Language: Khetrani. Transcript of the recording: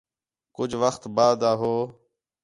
کُج وخت بعدا ہو